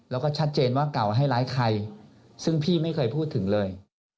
แล้วก็ชัดเจนว่าเก่าให้ร้ายใครซึ่งพี่ไม่เคยพูดถึงเลย